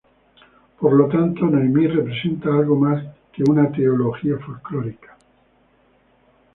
Por lo tanto, Noemí representa algo más que una teología folclórica.